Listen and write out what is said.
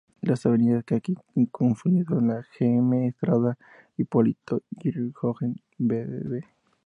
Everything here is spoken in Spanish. Las avenidas que aquí confluyen son: J. M. Estrada, Hipólito Yrigoyen, Bv.